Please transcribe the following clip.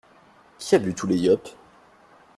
Qui a bu tous les Yops?!